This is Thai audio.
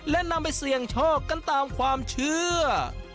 และนำไปเสี่ยงโชคกันตามความเชื่อ